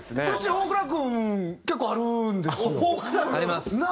うち大倉君結構あるんですよ。あります。